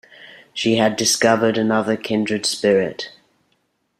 She had discovered another kindred spirit.